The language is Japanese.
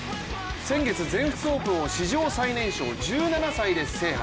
先月、全仏オープンを史上最年少、１７歳で制覇。